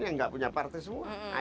saya tidak punya partai semua